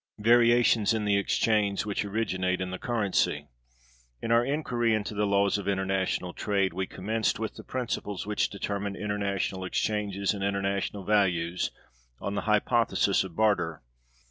Variations in the exchange, which originate in the Currency. In our inquiry into the laws of international trade, we commenced with the principles which determine international exchanges and international values on the hypothesis of barter.